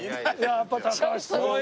やっぱ高橋すごいなあ！